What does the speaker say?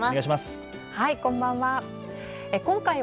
こんばんは。